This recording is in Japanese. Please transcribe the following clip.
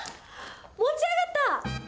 持ち上がった。